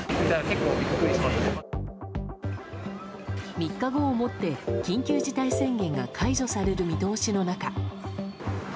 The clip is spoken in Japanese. ３日後をもって緊急事態宣言が解除される見通しの中。